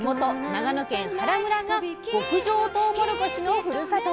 長野県原村が極上とうもろこしのふるさと。